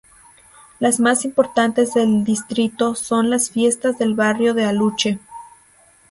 Las más importantes del distrito son las fiestas del barrio de Aluche.